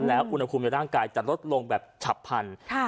แล้วอุณหภูมิในร่างกายจะลดลงแบบฉับพันธุ์